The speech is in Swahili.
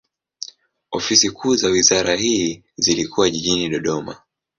Ofisi kuu za wizara hii zilikuwa jijini Dodoma.